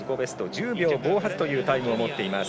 １０秒５８というタイムを持っています。